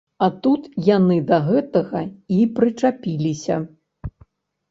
А тут яны да гэтага і прычапіліся.